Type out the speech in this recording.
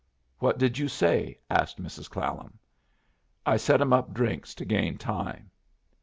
"What did you say?" asked Mrs. Clallam. "I set 'em up drinks to gain time."